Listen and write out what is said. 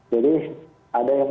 jadi ada yang